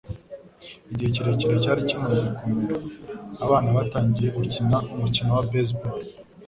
Igihe ikirere cyari kimaze kumera, abana batangiye gukina umukino wa baseball.